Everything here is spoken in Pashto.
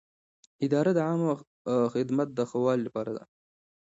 اداره د عامه خدمت د ښه والي لپاره ده.